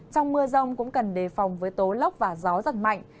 trong mưa rông cũng cần đề phòng với tố lốc và gió giật mạnh